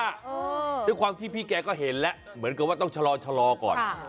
ด้วยความที่พี่แกก็เห็นแล้วเหมือนกับว่าต้องชะลอก่อน